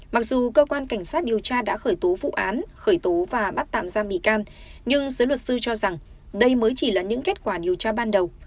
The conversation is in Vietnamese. mặc dù cơ quan cảnh sát điều tra đã khởi tố vụ án khởi tố và bắt tạm giam bị can nhưng giới luật sư cho rằng đây mới chỉ là những kết quả điều tra ban đầu